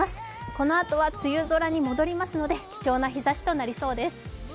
このあとは梅雨空に戻りますので、貴重な日ざしとなりそうです。